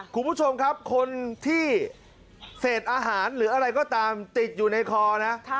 คุณผู้ชมครับคนที่เศษอาหารหรืออะไรก็ตามติดอยู่ในคอนะ